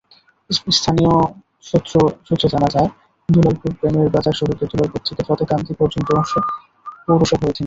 স্থানীয় সূত্রে জানা যায়, দুলালপুর-প্রেমেরবাজার সড়কের দুলালপুর থেকে ফতেকান্দি পর্যন্ত অংশ পৌরসভার অধীন।